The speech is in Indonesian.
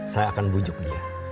saya akan bujuk dia